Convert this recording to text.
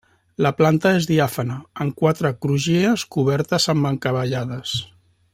La planta és diàfana, amb quatre crugies cobertes amb encavallades.